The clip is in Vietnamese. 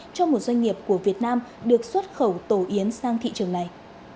cho một doanh nghiệp của việt nam được xuất khẩu tổ yến sang thị trường này